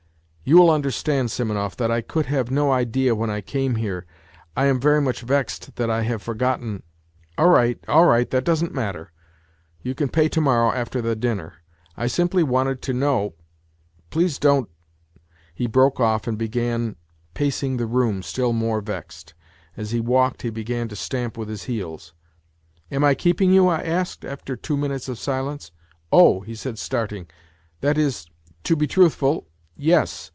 " You will understand, Simonov, that I could have no idea when I came here. ... I am very much vexed that I have forgotten. ..."" All right, all right, that doesn't matter. You can pay to morrow after the dinner. I simply wanted to know. ... Please don't ..." He broke off and began pacing the room still more vexed. As he walked he began to stamp with his heels. " Am I keeping you ?" I asked, after two minutes of eilence. " Oh !" he said, starting, " that i" to be truthful yes.